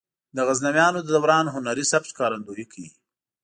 د غزنویانو د دوران هنري سبک ښکارندويي کوي.